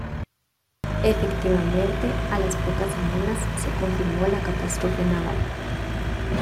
Efectivamente, a las pocas semanas se confirmó la catástrofe naval.